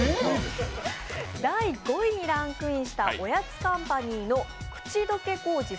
第５位にランクインしたおやつカンパニーのくちどけ小路